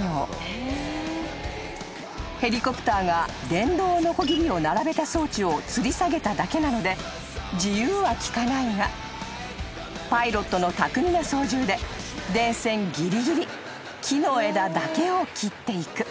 ［ヘリコプターが電動のこぎりを並べた装置をつり下げただけなので自由は利かないがパイロットの巧みな操縦で電線ぎりぎり木の枝だけを切っていく］